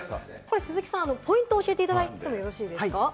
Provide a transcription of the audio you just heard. ポイントを教えていただいてもよろしいですか？